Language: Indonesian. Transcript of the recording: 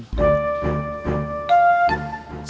sekarang kita dekoding isi berita ini